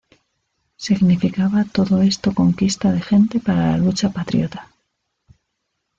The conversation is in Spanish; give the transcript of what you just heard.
Significaba todo esto conquista de gente para la lucha patriota.